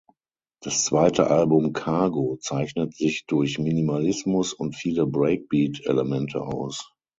Das zweite Album "Cargo" zeichnet sich durch Minimalismus und viele Breakbeat-Elemente aus.